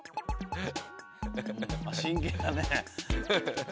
えっ？